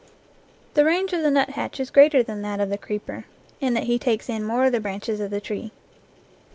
The range of the nuthatch is greater than that of the creeper, in that he takes in more of the branches of the tree.